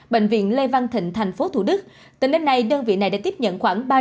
bệnh viện lê văn thịnh tp thủ đức tỉnh đêm nay đơn vị này đã tiếp nhận khoảng